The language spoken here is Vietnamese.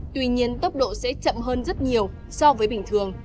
tuy nhiên tốc độ sẽ chậm hơn rất nhiều so với bình thường